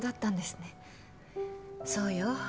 そうよ